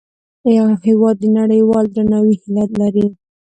هېواد د نړیوال درناوي هیله لري.